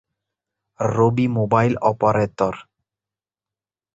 Rabi mobile operator